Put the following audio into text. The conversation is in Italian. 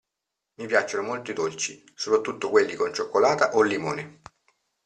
Mi piacciono molto i dolci, soprattutto quelli con cioccolata o limone.